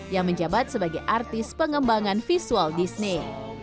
yang menjabat sebagai artis pengembangan visual disney